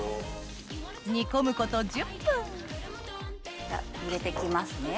煮込むこと１０分入れて行きますね。